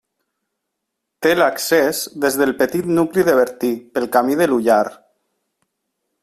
Té l'accés des del petit nucli de Bertí pel Camí de l'Ullar.